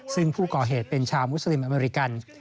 ซึ่งผู้ก่อเหตุเป็นชาวมุสลิมอเมริกัน